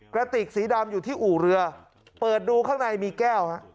กระติกสีดำอยู่ที่อู่เรือเปิดดูข้างในมีแก้วฮะ